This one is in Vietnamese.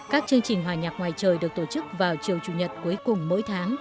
các chương trình hòa nhạc ngoài trời được tổ chức vào chiều chủ nhật cuối cùng mỗi tháng